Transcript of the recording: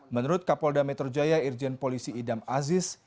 menurut kapolda metro jaya irjen polisi idam aziz